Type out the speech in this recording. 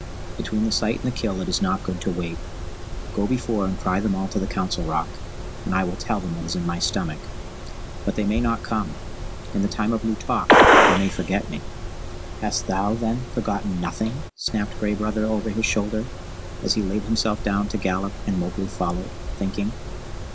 Between the sight and the kill it is not good to wait. Go before and cry them all to the Council Rock, and I will tell them what is in my stomach. But they may not come in the Time of New Talk they may forget me." "Hast thou, then, forgotten nothing?" snapped Gray Brother over his shoulder, as he laid himself down to gallop, and Mowgli followed, thinking.